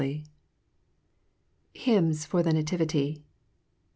1810. HYMNS FOR THE NATIVITY.